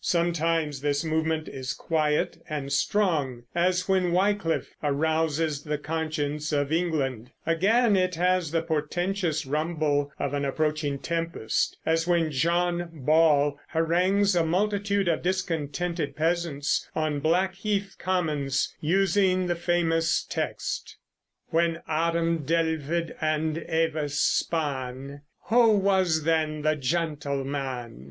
Sometimes this movement is quiet and strong, as when Wyclif arouses the conscience of England; again it has the portentous rumble of an approaching tempest, as when John Ball harangues a multitude of discontented peasants on Black Heath commons, using the famous text: When Adam delved and Eve span Who was then the gentleman?